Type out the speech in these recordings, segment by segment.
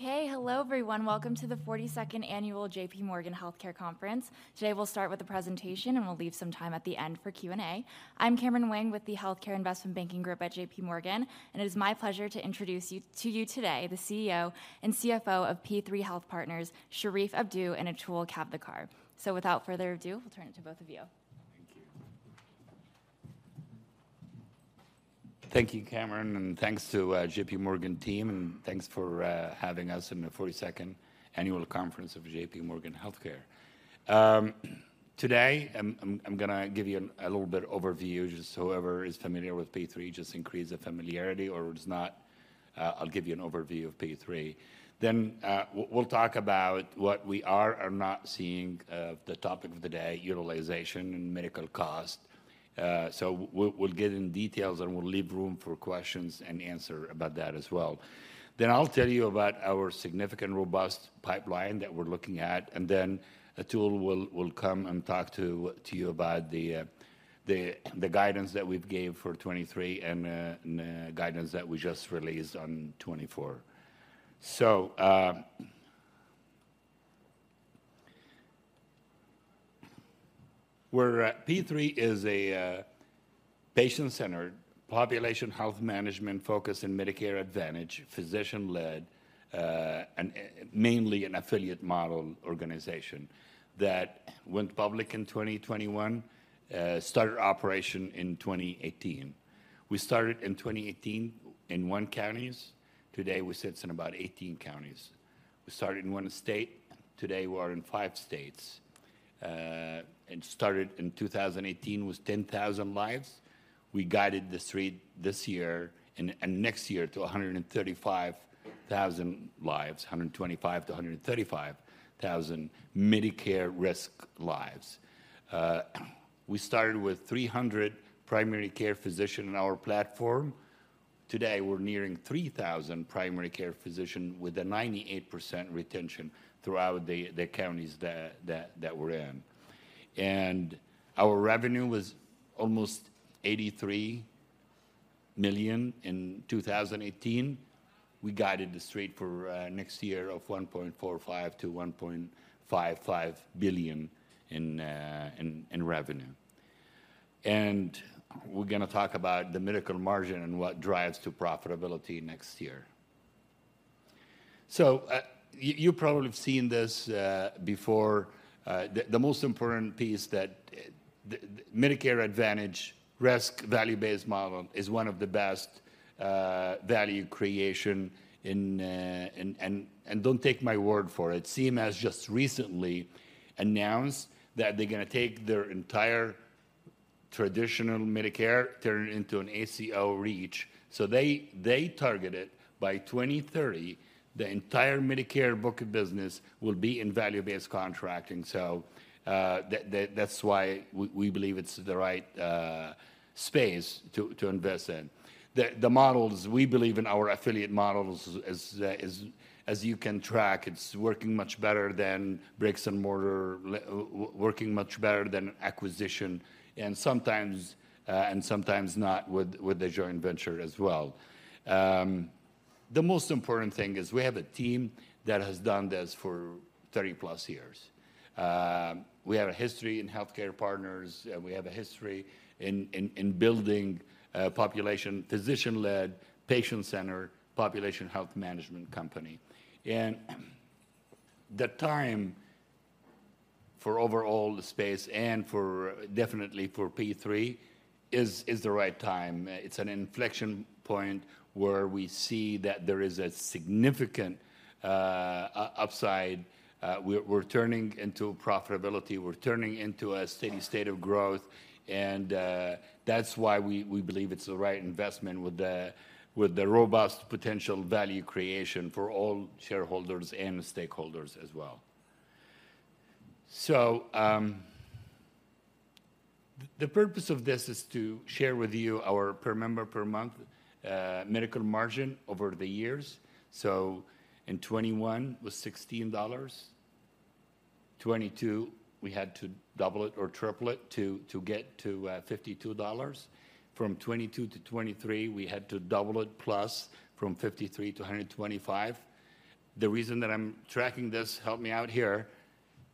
Okay, hello, everyone. Welcome to the 42nd annual J.P. Morgan Healthcare Conference. Today, we'll start with a presentation, and we'll leave some time at the end for Q&A. I'm Cameron Wang with the Healthcare Investment Banking group at J.P. Morgan, and it is my pleasure to introduce you, to you today the CEO and CFO of P3 Health Partners, Sherif Abdou and Atul Kavthekar. So without further ado, we'll turn it to both of you. Thank you. Thank you, Cameron, and thanks to J.P. Morgan team, and thanks for having us in the 42nd annual conference of J.P. Morgan Healthcare. Today, I'm gonna give you a little bit overview, just so whoever is familiar with P3, just increase the familiarity, or who does not, I'll give you an overview of P3. Then we'll talk about what we are or not seeing, the topic of the day, utilization and medical cost. So we'll get in details, and we'll leave room for questions and answer about that as well. Then I'll tell you about our significant robust pipeline that we're looking at, and then Atul will come and talk to you about the guidance that we've gave for 2023 and guidance that we just released on 2024. So, where P3 is a patient-centered population health management focus in Medicare Advantage, physician-led, and mainly an affiliate model organization that went public in 2021, started operation in 2018. We started in 2018 in 1 county. Today, we sits in about 18 counties. We started in 1 state. Today, we are in 5 states. And started in 2018 with 10,000 lives. We guided the street this year and next year to 135,000 lives, 125,000-135,000 Medicare risk lives. We started with 300 primary care physician in our platform. Today, we're nearing 3,000 primary care physician with a 98% retention throughout the counties that we're in. And our revenue was almost $83 million in 2018. We guided the street for next year of $1.45 billion-$1.55 billion in revenue. And we're gonna talk about the medical margin and what drives to profitability next year. So, you probably have seen this before. The most important piece that the Medicare Advantage risk value-based model is one of the best value creation in. And, don't take my word for it. CMS just recently announced that they're gonna take their entire traditional Medicare, turn it into an ACO REACH. So they targeted by 2030, the entire Medicare book of business will be in value-based contracting. So, that's why we believe it's the right space to invest in. The models, we believe in our affiliate models as, as you can track, it's working much better than bricks and mortar, working much better than acquisition, and sometimes, and sometimes not with, with the joint venture as well. The most important thing is we have a team that has done this for 30+ years. We have a history in HealthCare Partners, and we have a history in building a population physician-led, patient-centered, population health management company. The time for overall the space and for definitely for P3 is the right time. It's an inflection point where we see that there is a significant upside. We're turning into profitability. We're turning into a steady state of growth, and that's why we believe it's the right investment with the robust potential value creation for all shareholders and stakeholders as well. So, the purpose of this is to share with you our per-member per month medical margin over the years. So in 2021, it was $16. 2022, we had to double it or triple it to get to $52. From 2022-2023, we had to double it plus from 53-125. The reason that I'm tracking this, help me out here,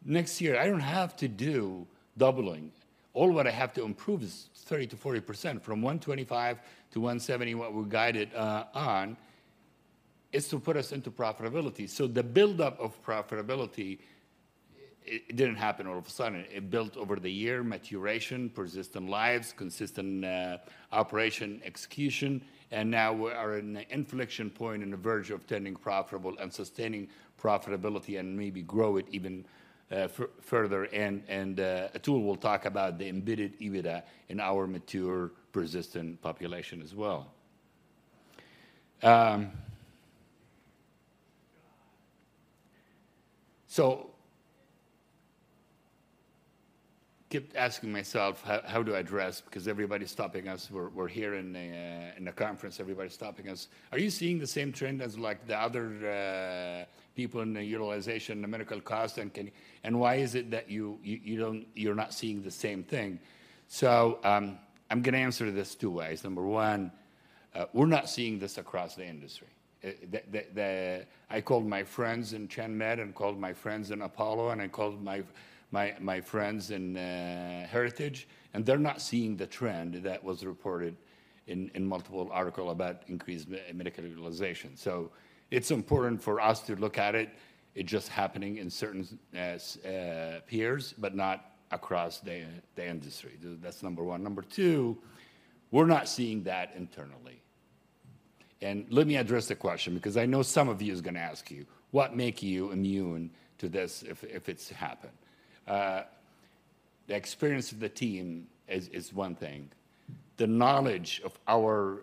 next year, I don't have to do doubling. All what I have to improve is 30%-40%, from $125-$170, what we guided on, is to put us into profitability. So the buildup of profitability, it didn't happen all of a sudden. It built over the year, maturation, persistent lives, consistent operation, execution, and now we are in an inflection point and the verge of turning profitable and sustaining profitability and maybe grow it even further. And Atul will talk about the embedded EBITDA in our mature, persistent population as well. So keep asking myself, "How do I address?" Because everybody's stopping us. We're here in a conference, everybody's stopping us. "Are you seeing the same trend as like the other people in the utilization, the medical cost, and can you and why is it that you don't, you're not seeing the same thing?" So I'm gonna answer this two ways. Number one, we're not seeing this across the industry. I called my friends in ChenMed and called my friends in Apollo, and I called my friends in Heritage, and they're not seeing the trend that was reported in multiple articles about increased medical utilization. So it's important for us to look at it. It's just happening in certain peers, but not across the industry. That's number one. Number two, we're not seeing that internally. And let me address the question because I know some of you is gonna ask you: What make you immune to this if it's happened? The experience of the team is one thing. The knowledge of our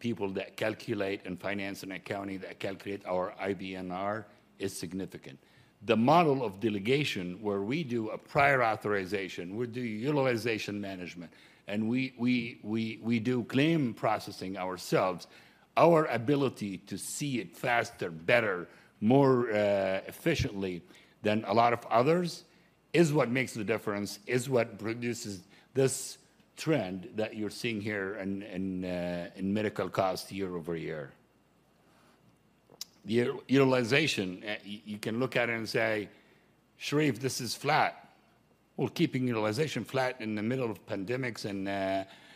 people that calculate in finance and accounting, that calculate our IBNR, is significant. The model of delegation, where we do a prior authorization, we do utilization management, and we do claim processing ourselves, our ability to see it faster, better, more efficiently than a lot of others is what makes the difference, is what reduces this trend that you're seeing here in medical costs year-over-year. The utilization, you can look at it and say, "Sherif, this is flat." Well, keeping utilization flat in the middle of pandemics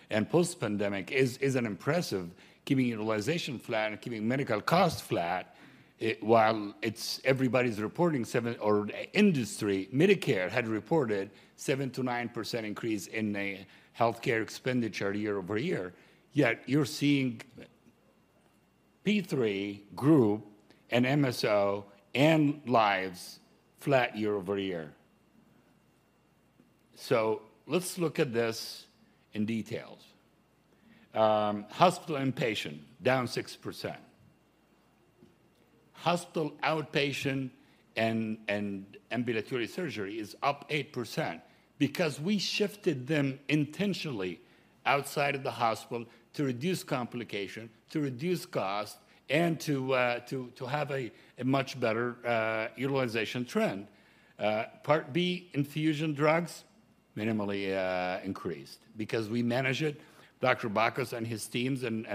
and post-pandemic is an impressive, keeping utilization flat and keeping medical costs flat, it while it's everybody's reporting seven or industry, Medicare had reported 7%-9% increase in the healthcare expenditure year-over-year, yet you're seeing P3 group and MSO and lives flat year-over-year. So let's look at this in detail. Hospital inpatient, down 6%. Hospital outpatient and ambulatory surgery is up 8% because we shifted them intentionally outside of the hospital to reduce complication, to reduce cost, and to have a much better utilization trend. Part B infusion drugs minimally increased because we manage it. Dr. Bacchus and his teams and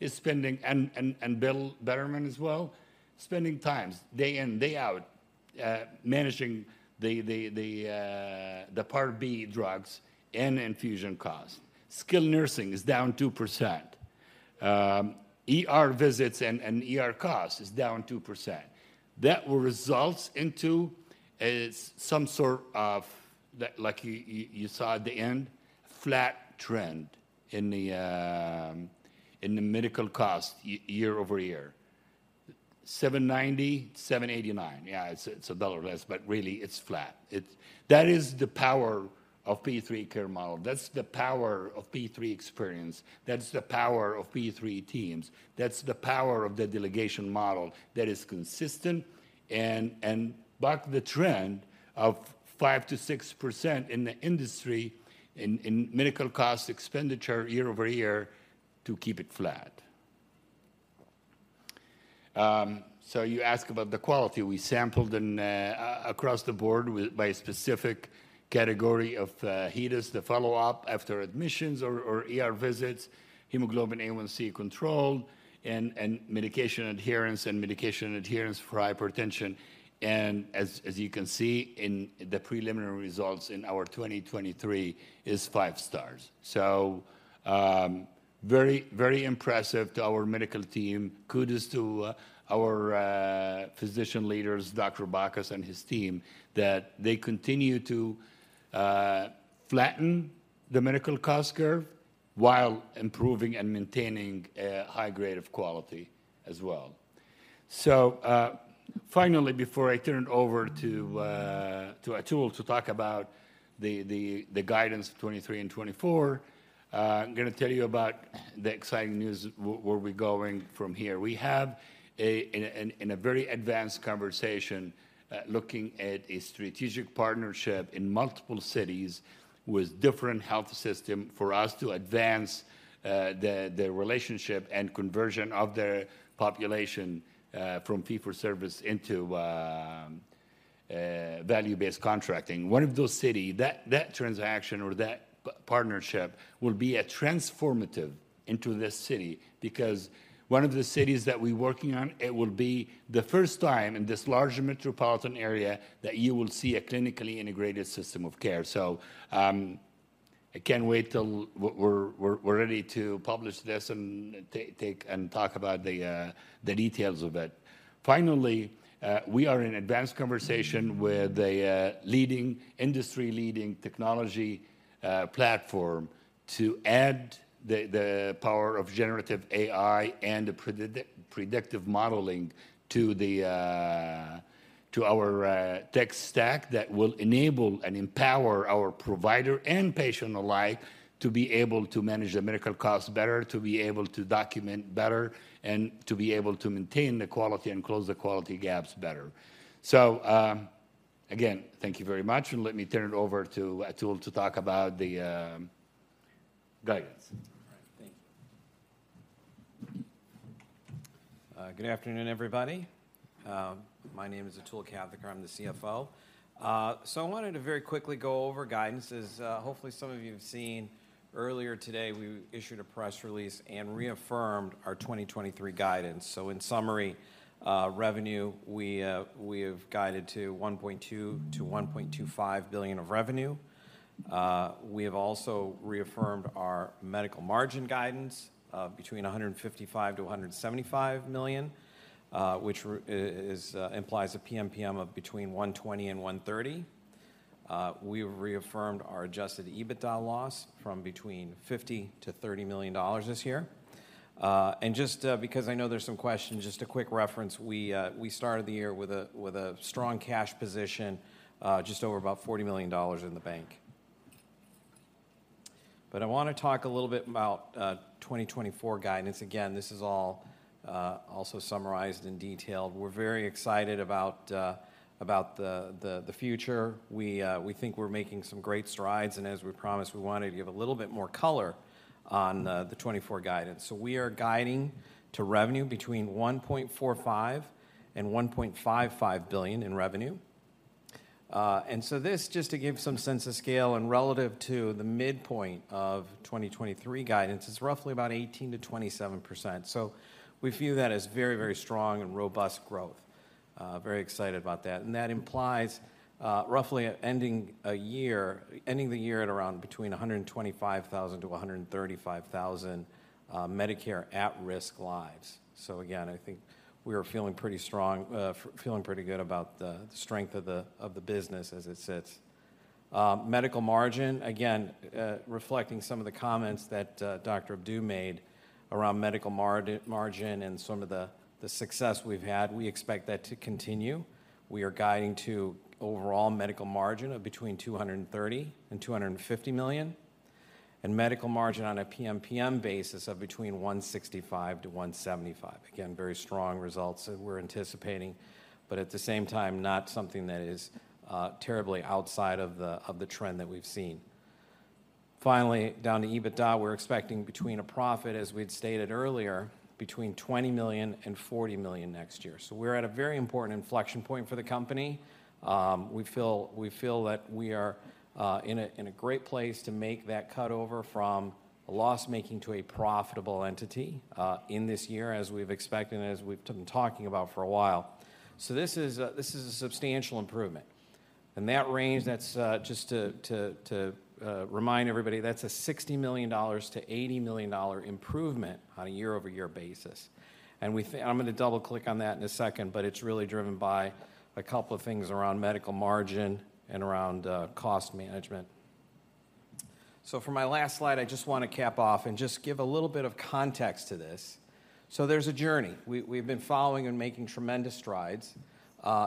Bill Bettermann as well, spending time day in, day out, managing the Part B drugs and infusion costs. Skilled nursing is down 2%. ER visits and ER costs is down 2%. That results in some sort of like you saw at the end, flat trend in the medical cost year-over-year. $790, $789. Yeah, it's a, it's a dollar less, but really, it's flat. It. That is the power of P3 care model. That's the power of P3 experience. That's the power of P3 teams. That's the power of the delegation model that is consistent and buck the trend of 5%-6% in the industry in medical cost expenditure year-over-year to keep it flat. So you ask about the quality. We sampled and across the board by specific category of HEDIS, the follow-up after admissions or ER visits, hemoglobin A1C control, and medication adherence, and medication adherence for hypertension. As you can see in the preliminary results in our 2023 is five stars. So, very, very impressive to our medical team. Kudos to our physician leaders, Dr. Bacchus and his team, that they continue to flatten the medical cost curve while improving and maintaining a high grade of quality as well. So, finally, before I turn it over to Atul to talk about the guidance of 2023 and 2024, I'm gonna tell you about the exciting news where we're going from here. We have in a very advanced conversation looking at a strategic partnership in multiple cities with different health system for us to advance the relationship and conversion of their population from fee-for-service into value-based contracting. One of those city, that transaction or that partnership will be a transformative into this city because one of the cities that we're working on, it will be the first time in this large metropolitan area that you will see a clinically integrated system of care. So, I can't wait till we're ready to publish this and take and talk about the details of it. Finally, we are in advanced conversation with a leading industry-leading technology platform to add the power of generative AI and the predictive modeling to our tech stack. That will enable and empower our provider and patient alike to be able to manage the medical costs better, to be able to document better, and to be able to maintain the quality and close the quality gaps better. So, again, thank you very much, and let me turn it over to Atul to talk about the guidance. All right. Thank you. Good afternoon, everybody. My name is Atul Kavthekar, I'm the CFO. So I wanted to very quickly go over guidance, as hopefully some of you have seen earlier today, we issued a press release and reaffirmed our 2023 guidance. So in summary, revenue, we, we have guided to $1.2 billion-$1.25 billion of revenue. We have also reaffirmed our medical margin guidance, between $155 million-$175 million, which is, implies a PMPM of between $120-$130. We have reaffirmed our adjusted EBITDA loss from between $50 million-$30 million this year. And just, because I know there's some questions, just a quick reference, we, we started the year with a strong cash position, just over about $40 million in the bank. But I wanna talk a little bit about 2024 guidance. Again, this is all also summarized in detail. We're very excited about the future. We, we think we're making some great strides, and as we promised, we wanted to give a little bit more color on the twenty-four guidance. So we are guiding to revenue between $1.45 billion and $1.55 billion. And so this, just to give some sense of scale and relative to the midpoint of 2023 guidance, is roughly about 18%-27%. So we view that as very, very strong and robust growth. Very excited about that. And that implies, roughly ending the year at around 125,000-135,000 Medicare at-risk lives. So again, I think we are feeling pretty strong, feeling pretty good about the strength of the business as it sits. Medical margin, again, reflecting some of the comments that Dr. Abdou made around medical margin and some of the success we've had, we expect that to continue. We are guiding to overall medical margin of between $230-$250 million, and medical margin on a PMPM basis of between $165-$175. Again, very strong results that we're anticipating, but at the same time, not something that is terribly outside of the trend that we've seen. Finally, down to EBITDA, we're expecting between a profit, as we'd stated earlier, between $20 million-$40 million next year. So we're at a very important inflection point for the company. We feel that we are in a great place to make that cut over from a loss-making to a profitable entity in this year, as we've expected and as we've been talking about for a while. So this is a substantial improvement. And that range, that's just to remind everybody, that's a $60 million-$80 million improvement on a year-over-year basis. I'm gonna double-click on that in a second, but it's really driven by a couple of things around medical margin and around, cost management. So for my last slide, I just wanna cap off and just give a little bit of context to this. So there's a journey. We've been following and making tremendous strides.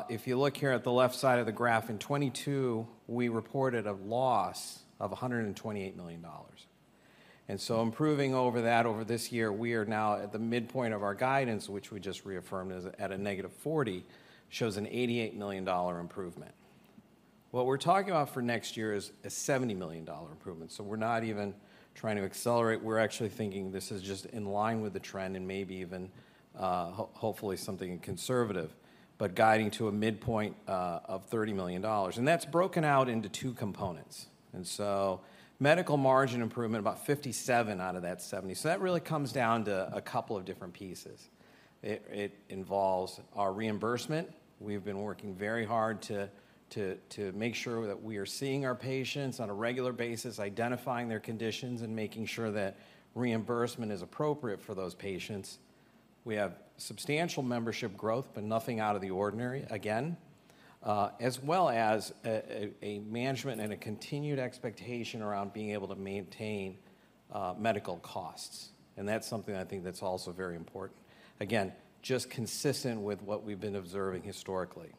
If you look here at the left side of the graph, in 2022, we reported a loss of $128 million. And so improving over that over this year, we are now at the midpoint of our guidance, which we just reaffirmed as at a negative $40 million, shows an $88 million improvement. What we're talking about for next year is a $70 million improvement. So we're not even trying to accelerate, we're actually thinking this is just in line with the trend and maybe even hopefully something conservative, but guiding to a midpoint of $30 million. That's broken out into two components. So medical margin improvement, about $57 million out of that $70 million. So that really comes down to a couple of different pieces. It involves our reimbursement. We've been working very hard to make sure that we are seeing our patients on a regular basis, identifying their conditions, and making sure that reimbursement is appropriate for those patients. We have substantial membership growth, but nothing out of the ordinary, again, as well as a management and a continued expectation around being able to maintain medical costs. And that's something I think that's also very important. Again, just consistent with what we've been observing historically.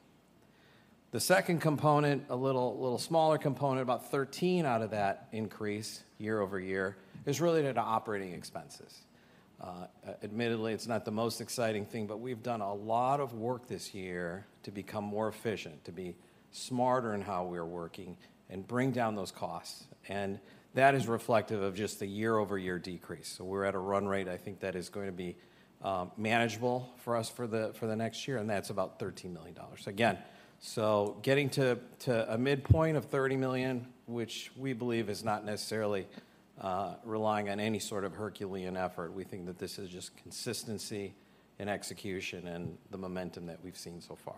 The second component, a little, little smaller component, about 13 out of that increase year-over-year, is related to operating expenses. Admittedly, it's not the most exciting thing, but we've done a lot of work this year to become more efficient, to be smarter in how we are working and bring down those costs, and that is reflective of just the year-over-year decrease. So we're at a run rate I think that is going to be, manageable for us for the, for the next year, and that's about $13 million. Again, so getting to, to a midpoint of $30 million, which we believe is not necessarily, relying on any sort of Herculean effort. We think that this is just consistency and execution and the momentum that we've seen so far.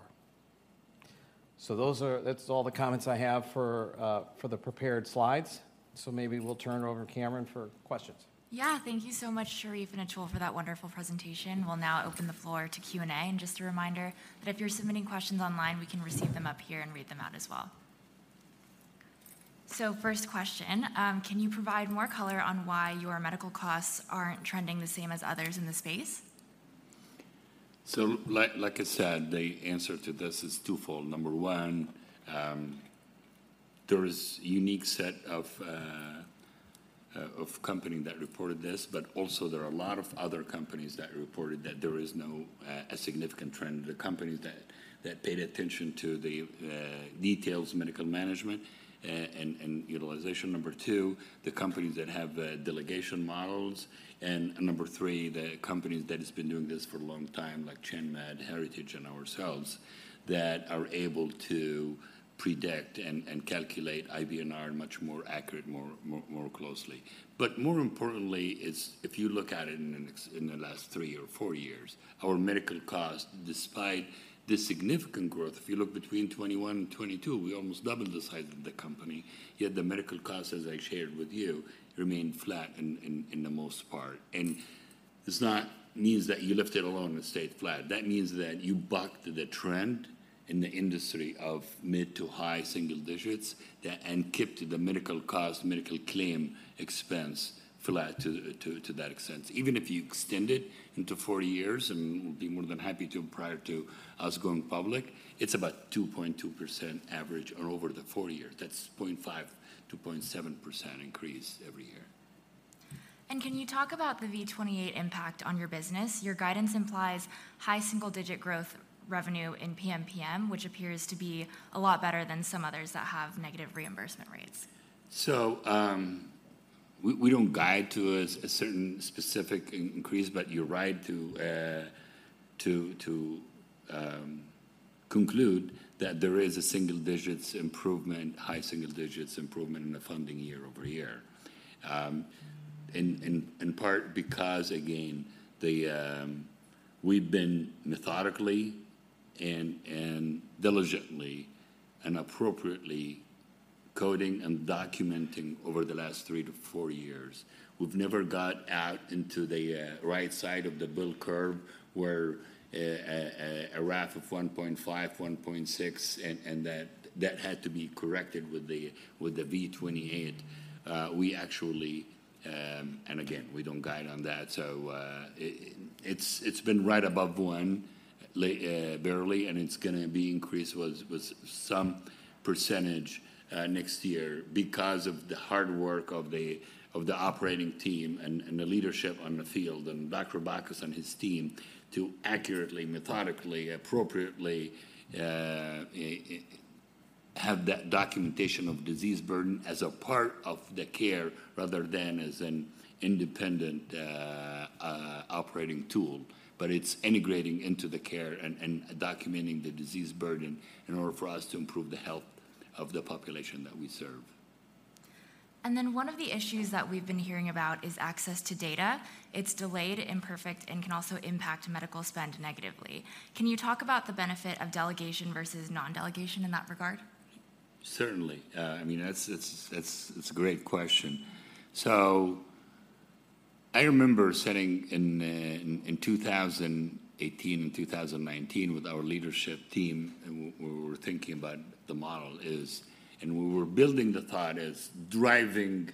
So that's all the comments I have for the prepared slides. So maybe we'll turn it over to Cameron for questions. Yeah. Thank you so much, Sherif and Atul, for that wonderful presentation. We'll now open the floor to Q&A. Just a reminder that if you're submitting questions online, we can receive them up here and read them out as well. So first question: Can you provide more color on why your medical costs aren't trending the same as others in the space? Like I said, the answer to this is twofold. Number one, there is a unique set of companies that reported this, but also there are a lot of other companies that reported that there is no significant trend. The companies that paid attention to the details, medical management, and utilization. Number two, the companies that have delegation models, and number three, the companies that has been doing this for a long time, like ChenMed, Heritage, and ourselves, that are able to predict and calculate IBNR much more accurate, more closely. But more importantly is if you look at it in the last three or four years, our medical cost, despite the significant growth, if you look between 2021-2022, we almost doubled the size of the company, yet the medical costs, as I shared with you, remained flat in the most part. It doesn't mean that you left it alone and stayed flat. That means that you bucked the trend in the industry of mid- to high-single digits and kept the medical cost, medical claim expense flat to that extent. Even if you extend it into four years, and we'll be more than happy to provide prior to us going public, it's about 2.2% average or over the four years. That's 0.5%-0.7% increase every year. Can you talk about the V28 impact on your business? Your guidance implies high single-digit growth revenue in PMPM, which appears to be a lot better than some others that have negative reimbursement rates. We don't guide to a certain specific increase, but you're right to conclude that there is a single digits improvement, high single digits improvement in the funding year-over-year. In part because, again, the... We've been methodically and diligently and appropriately coding and documenting over the last three to four years. We've never got out into the right side of the bell curve, where a RAF of 1.5, 1.6, and that had to be corrected with the V28. We actually—and again, we don't guide on that, so it's been right above one, barely, and it's gonna be increased with some percentage next year because of the hard work of the operating team and the leadership on the field, and Dr. Bacchus and his team, to accurately, methodically, appropriately have that documentation of disease burden as a part of the care rather than as an independent operating tool. But it's integrating into the care and documenting the disease burden in order for us to improve the health of the population that we serve. One of the issues that we've been hearing about is access to data. It's delayed, imperfect, and can also impact medical spend negatively. Can you talk about the benefit of delegation versus non-delegation in that regard? Certainly. I mean, that's, it's, it's, it's a great question. So I remember sitting in 2018 and 2019 with our leadership team, and we were thinking about the model is. And we were building the thought as driving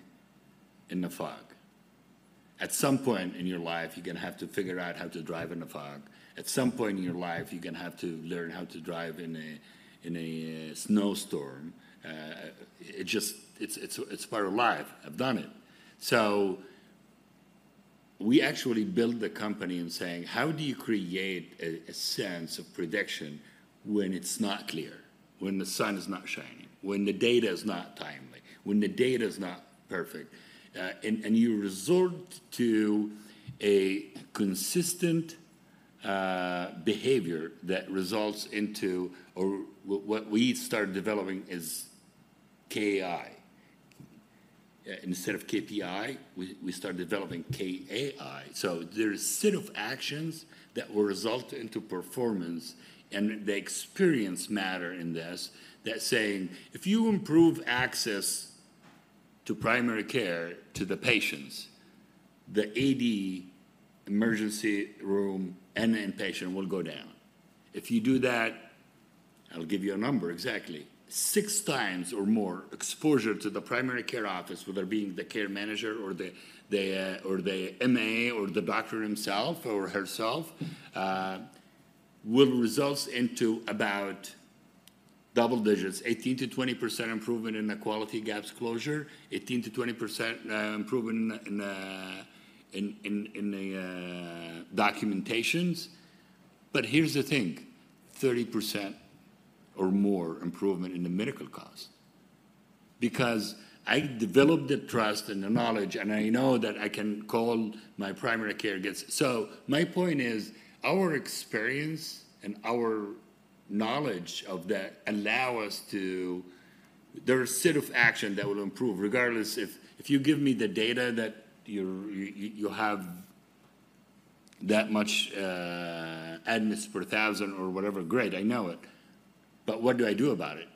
in the fog. At some point in your life, you're gonna have to figure out how to drive in the fog. At some point in your life, you're gonna have to learn how to drive in a snowstorm. It just, it's, it's, it's part of life. I've done it. So we actually built the company in saying: How do you create a sense of prediction when it's not clear, when the sun is not shining, when the data is not timely, when the data is not perfect? You resort to a consistent behavior that results into what we started developing is KAI. Instead of KPI, we started developing KAI. So there is set of actions that will result into performance, and the experience matter in this, that saying, "If you improve access to primary care to the patients, the AD emergency room and inpatient will go down." If you do that, I'll give you a number, exactly. six times or more exposure to the primary care office, whether being the care manager or the MA or the doctor himself or herself will results into about double digits, 18%-20% improvement in the quality gaps closure, 18%-20% improvement in the documentations. But here's the thing, 30% or more improvement in the medical cost, because I developed the trust and the knowledge, and I know that I can call my primary care gets. So my point is, our experience and our knowledge of that allow us to—there are a set of action that will improve, regardless if, if you give me the data that you're, you, you'll have that much, admits per thousand or whatever, great, I know it. But what do I do about it?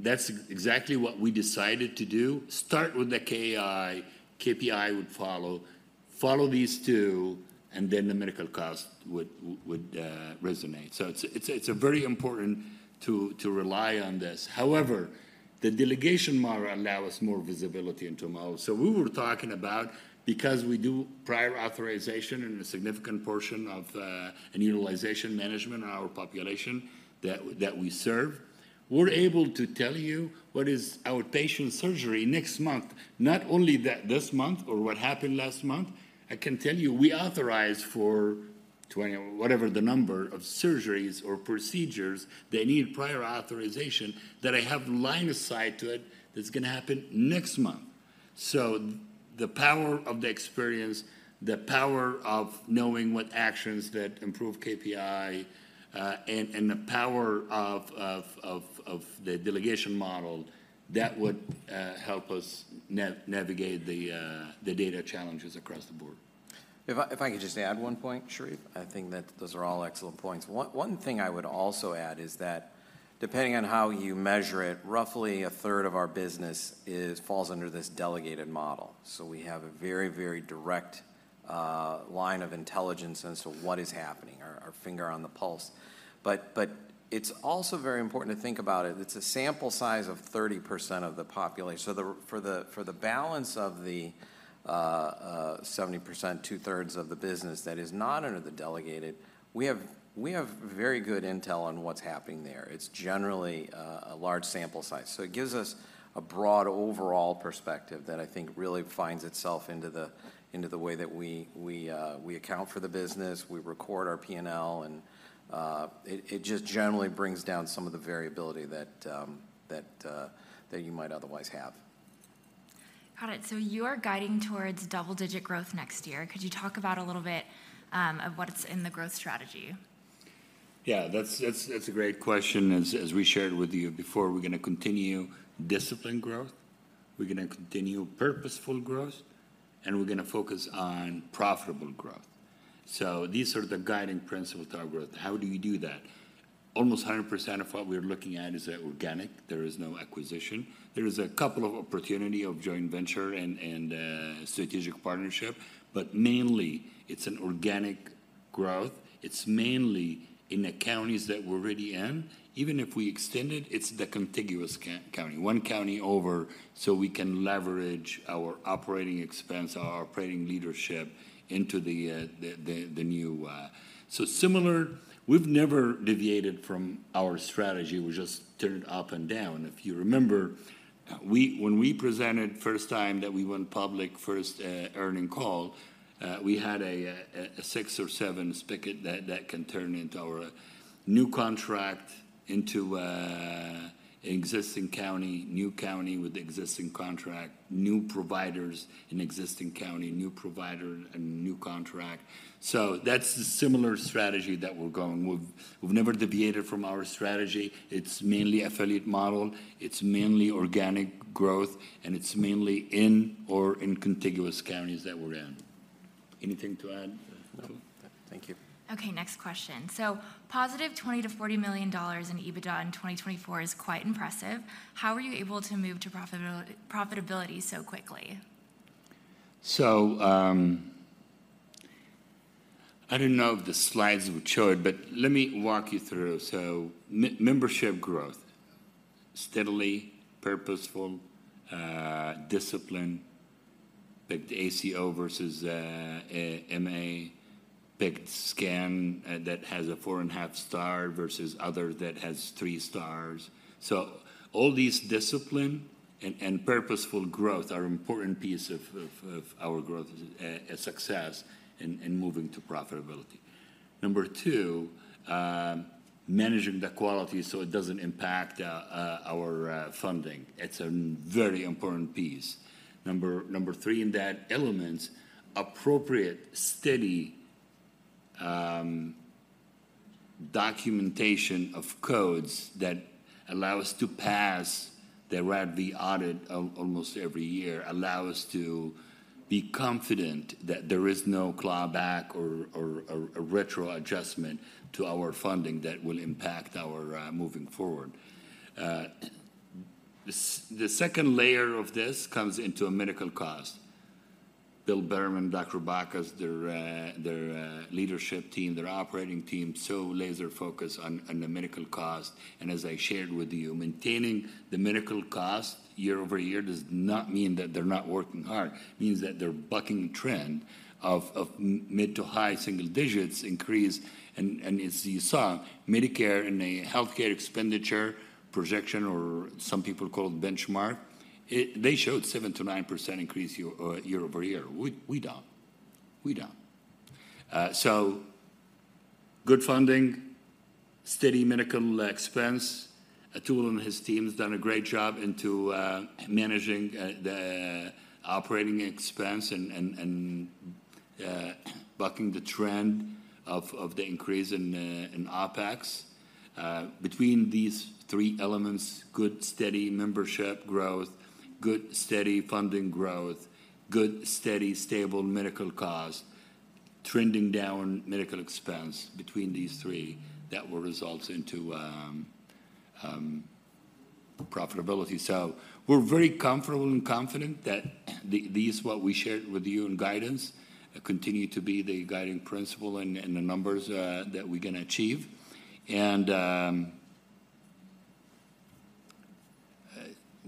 That's exactly what we decided to do. Start with the KAI, KPI would follow. Follow these two, and then the medical cost would would, resonate. So it's very important to, to rely on this. However, the delegation model allow us more visibility into model. So we were talking about, because we do prior authorization in a significant portion of, and utilization management in our population that we serve. We're able to tell you what is outpatient surgery next month, not only this month or what happened last month. I can tell you, we authorized for 20, whatever the number of surgeries or procedures that need prior authorization, that I have line of sight to it, that's gonna happen next month. So the power of the experience, the power of knowing what actions that improve KPI, and the power of the delegation model, that would help us navigate the data challenges across the board. If I, if I could just add one point, Sherif? I think that those are all excellent points. One, one thing I would also add is that depending on how you measure it, roughly a third of our business is, falls under this delegated model. So we have a very, very direct line of intelligence as to what is happening, our, our finger on the pulse. But, but it's also very important to think about it. It's a sample size of 30% of the population. So the—for the, for the balance of the, seventy percent, two-thirds of the business that is not under the delegated, we have, we have very good intel on what's happening there. It's generally a large sample size. So it gives us a broad overall perspective that I think really finds itself into the way that we account for the business, we record our P&L, and it just generally brings down some of the variability that you might otherwise have. Got it. So you are guiding towards double-digit growth next year. Could you talk about a little bit of what's in the growth strategy? Yeah, that's a great question. As we shared with you before, we're gonna continue disciplined growth, we're gonna continue purposeful growth, and we're gonna focus on profitable growth. So these are the guiding principles to our growth. How do you do that? Almost 100% of what we're looking at is organic. There is no acquisition. There is a couple of opportunity of joint venture and strategic partnership, but mainly it's an organic growth. It's mainly in the counties that we're already in. Even if we extend it, it's the contiguous county, one county over, so we can leverage our operating expense, our operating leadership into the new. So similar, we've never deviated from our strategy. We just turned it up and down. If you remember, when we presented first time that we went public, first earnings call, we had a six or seven spigot that can turn into our new contract, into existing county, new county with existing contract, new providers in existing county, new provider and new contract. So that's the similar strategy that we're going. We've never deviated from our strategy. It's mainly affiliate model, it's mainly organic growth, and it's mainly in or in contiguous counties that we're in. Anything to add, Atul? No. Thank you. Okay, next question. So positive $20 million-$40 million in EBITDA in 2024 is quite impressive. How were you able to move to profitability so quickly? So, I don't know if the slides were showed, but let me walk you through. So membership growth, steadily, purposeful, discipline, picked ACO versus a MA, picked SCAN, that has a 4.5-star versus other that has 3 stars. So all these discipline and purposeful growth are important piece of our growth success in moving to profitability. Number two, managing the quality so it doesn't impact our funding. It's a very important piece. Number three, in that elements, appropriate, steady, documentation of codes that allow us to pass the RADV audit almost every year, allow us to be confident that there is no clawback or a retro adjustment to our funding that will impact our moving forward. The second layer of this comes into a medical cost. Bill Bettermann, Dr. Bacchus, their leadership team, their operating team, so laser focused on the medical cost. As I shared with you, maintaining the medical cost year-over-year does not mean that they're not working hard. It means that they're bucking trend of mid- to high-single-digits increase. As you saw, Medicare in a healthcare expenditure projection, or some people call it benchmark, it, they showed 7%-9% increase year-over-year. We don't. We don't. So good funding, steady medical expense. Atul and his team has done a great job into managing the operating expense and bucking the trend of the increase in OpEx. Between these three elements, good, steady membership growth, good, steady funding growth, good, steady, stable medical cost, trending down medical expense between these three, that will result into profitability. So we're very comfortable and confident that the, these, what we shared with you in guidance, continue to be the guiding principle and, and the numbers that we're gonna achieve, and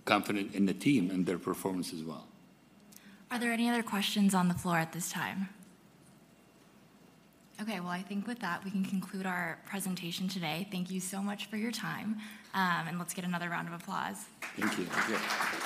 confident in the team and their performance as well. Are there any other questions on the floor at this time? Okay, well, I think with that, we can conclude our presentation today. Thank you so much for your time, and let's get another round of applause. Thank you. Thank you.